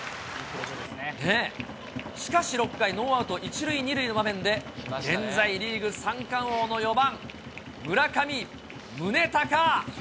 しかし６回、ノーアウト１塁２塁の場面で、現在リーグ三冠王の４番村上宗隆。